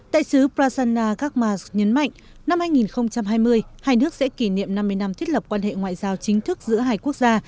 đại sứ prasanna gargars nhấn mạnh năm hai nghìn hai mươi hai nước sẽ kỷ niệm năm mươi năm thiết lập quan hệ ngoại giao chính thức giữa hai quốc gia